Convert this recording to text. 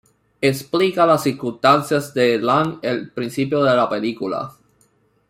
Explica las circunstancias de Lang al principio de la película.